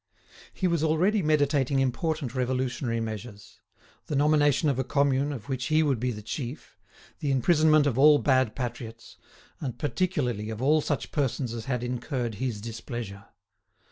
He was already meditating important revolutionary measures; the nomination of a Commune of which he would be the chief, the imprisonment of all bad patriots, and particularly of all such persons as had incurred his displeasure.